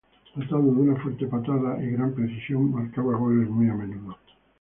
Dotado de una fuerte patada y gran precisión, marcaba goles muy a menudo.